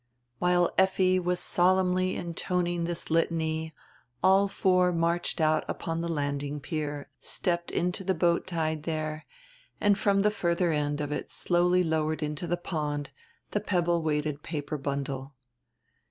While Effi was solemnly intoning diis litany, all four marched out upon die landing pier, stepped into the boat tied diere, and from die further end of it slowly lowered into die pond die pebble weighted paper bundle.